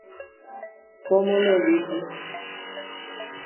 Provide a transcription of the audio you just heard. Mba'éichapa ere.